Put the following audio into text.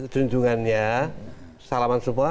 junjungannya salaman semua